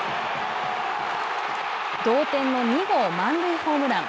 同点の２号満塁ホームラン。